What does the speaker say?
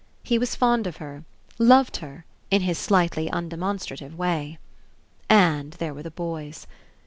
He was fond of her, loved her, in his slightly undemonstrative way. And there were the boys.